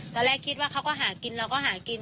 ตอนแรกคิดว่าเขาก็หากินเราก็หากิน